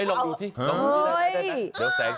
เอ้ยลองดูสิลองดูสิ